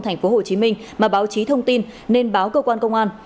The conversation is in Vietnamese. thành phố hồ chí minh mà báo chí thông tin nên báo cơ quan công an